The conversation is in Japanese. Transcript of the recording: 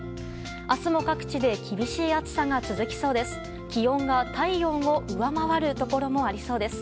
明日も各地で厳しい暑さが続きそうです。